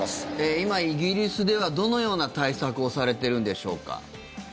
今、イギリスではどのような対策をされているんでしょうか。